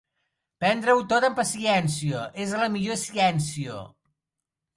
Prendre-ho tot amb paciència és la millor ciència.